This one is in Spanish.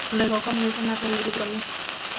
Luego comienzan a reír y bromear.